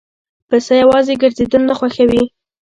پسه یواځی ګرځېدل نه خوښوي.